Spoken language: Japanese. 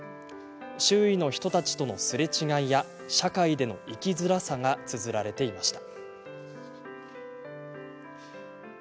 周囲の人たちとのすれ違いや社会での生きづらさがつづられていました。